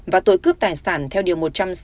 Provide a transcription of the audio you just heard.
và tội cướp tài sản theo điều một trăm sáu mươi